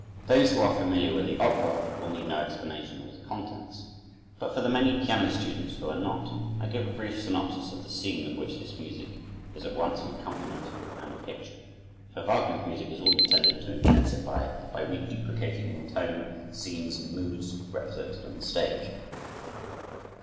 Those who are familiar with the opera will need no explanation of its contents; but for the many piano students who are not, I give a brief synopsis of the scene of which this music is at once an accompaniment and a picture; for Wagner's music is all intended to intensify, by reduplicating in tone, scenes and moods represented on the stage.